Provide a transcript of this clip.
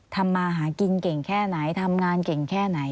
ทำมาหากินเก่งแค่ไหนทำงานเก่งแค่ไหน